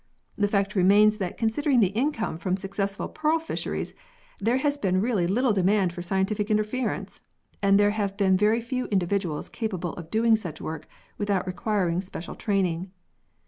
The fact remains that considering the income from successful pearl fisheries, there has been really little demand for scientific interference, and there have been very few individuals capable of doing such work without re quiring special training.